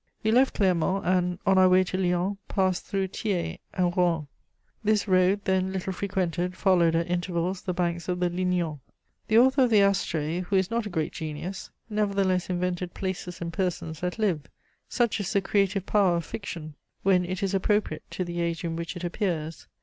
We left Clermont and, on our way to Lyons, passed through Thiers and Roanne. This road, then little frequented, followed at intervals the banks of the Lignon. The author of the Astrée, who is not a great genius, nevertheless invented places and persons that live: such is the creative power of fiction, when it is appropriate to the age in which it appears.